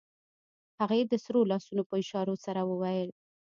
هغې د سرو لاسونو په اشارو څه وويل.